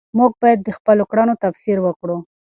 موږ باید د خپلو کړنو تفسیر وکړو.